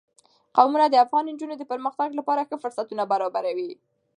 قومونه د افغان نجونو د پرمختګ لپاره ښه فرصتونه برابروي.